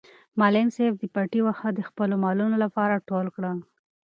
معلم صاحب د پټي واښه د خپلو مالونو لپاره ټول کړل.